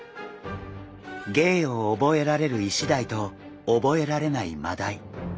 芸を覚えられるイシダイと覚えられないマダイ。